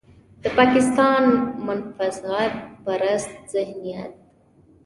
د پاکستان منفعت پرست ذهنيت.